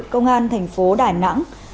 công an thành phố đài nẵng